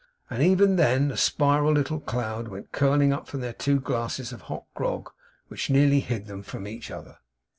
And even then, a spiral little cloud went curling up from their two glasses of hot grog, which nearly hid them from each other.